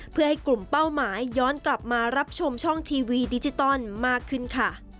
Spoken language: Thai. เพื่อให้กลุ่มเป้าหมายย้อนกลับมารับชมช่องทีวีดิจิตอลมากขึ้นค่ะ